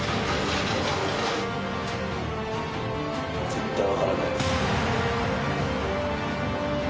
絶対分からない。